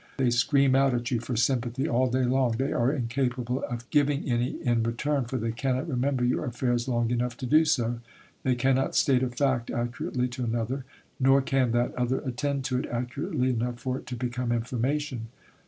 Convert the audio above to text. They scream out at you for sympathy all day long, they are incapable of giving any in return, for they cannot remember your affairs long enough to do so.... They cannot state a fact accurately to another, nor can that other attend to it accurately enough for it to become information.